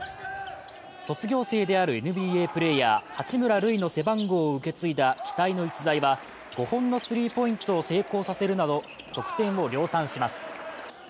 卒業生であるＮＢＡプレーヤー八村塁の背番号を受け継いだ期待の逸材は５本のスリーポイントを成功させるなど、得点を量産します。